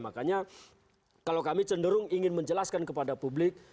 makanya kalau kami cenderung ingin menjelaskan kepada publik